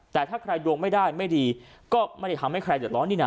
แต่ถ้าใครดวงไม่ได้ไม่ดีก็ไม่ได้ทำให้ใครเดือดร้อนนี่นะ